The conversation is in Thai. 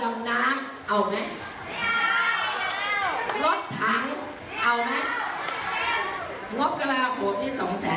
เวลารดพหาฐศมันก็มาจอกอยู่หน้าบ้านสุด้ารัฐนี้แหละไม่เอาไม่ซื้อ